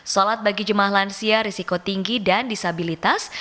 sholat bagi jemaah lansia risiko tinggi dan disabilitas